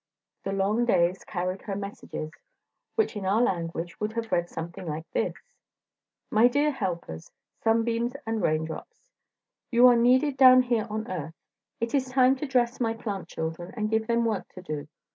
The long days carried her messages, which in our language would have read something like this: My Dear Helpers, Sunbeams, and Raindrops: You are needed down here on earth. It is time to dress my plant children, and give them work to do.